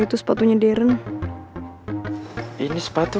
itu yang itu